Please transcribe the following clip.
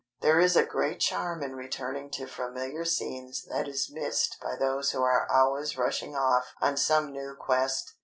There is a great charm in returning to familiar scenes that is missed by those who are always rushing off on some new quest.